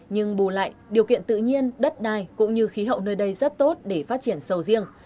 nhưng bù lại điều kiện tự nhiên đất đai cũng như khí hậu nơi đây rất tốt để phát triển sầu riêng